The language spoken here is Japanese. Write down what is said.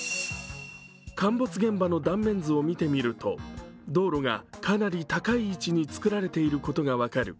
陥没現場の断面図を見てみると、道路がかなり高い位置に作られていることが分かる。